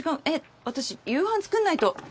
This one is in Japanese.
えっ私夕飯作んないと。